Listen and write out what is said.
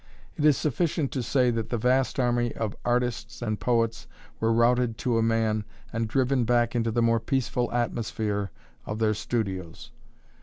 It is sufficient to say that the vast army of artists and poets were routed to a man and driven back into the more peaceful atmosphere of their studios.